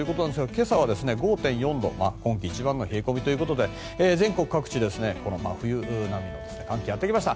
今朝は５．４度今季一番の冷え込みということで全国各地、真冬並みの寒気がやってきました。